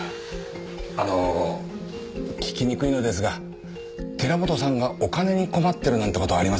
あの聞きにくいのですが寺本さんがお金に困ってるなんて事ありませんか？